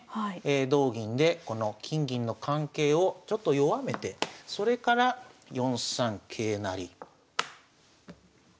同銀でこの金銀の関係をちょっと弱めてそれから４三桂成。